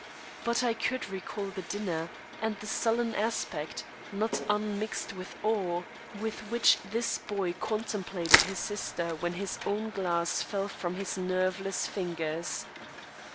But I could recall the dinner and the sullen aspect, not unmixed with awe, with which this boy contemplated his sister when his own glass fell from his nerveless fingers.